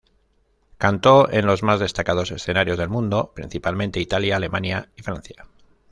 Cantó en los más destacados escenarios del mundo, principalmente Italia, Alemania y Francia.